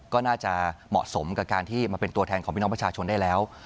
ก็น่าจะเหมาะสมกับการที่มาเป็นตัวแทนของพี่น้องประชาชนได้แล้ว